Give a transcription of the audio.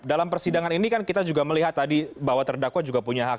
dalam persidangan ini kan kita juga melihat tadi bahwa terdakwa juga punya hak